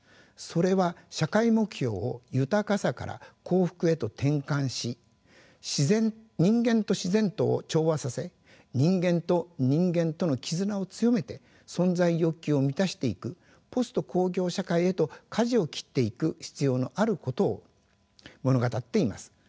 それは社会目標を豊かさから幸福へと転換し人間と自然とを調和させ人間と人間との絆を強めて存在欲求を満たしていくポスト工業社会へとかじを切っていく必要のあることを物語っています。